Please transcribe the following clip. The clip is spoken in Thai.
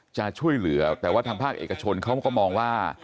จะช่วยเหลือแต่ว่าทางภาคเอกชนเขาก็มองว่า